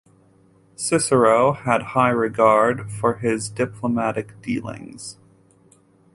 Cicero had high regard for his diplomatic dealings.